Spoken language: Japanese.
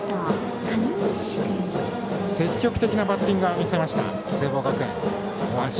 積極的なバッティングは見せました、聖望学園、大橋。